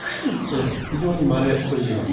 非常に、まれといえます。